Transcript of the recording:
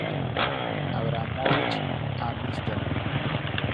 Abramovich a Mr.